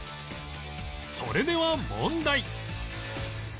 それでは問題